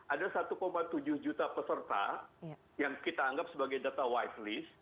ada satu tujuh juta peserta yang kita anggap sebagai data wise list